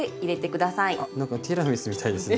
なんかティラミスみたいですね。